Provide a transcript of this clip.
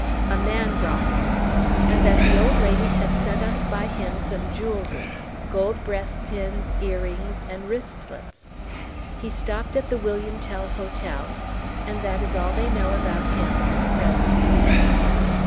A man brought it. And that the old lady had sent us by him some jewellery, gold breast pins, earrings, and wristlets. He stopped at the William Tell Hotel. And that is all they know about him and the presents.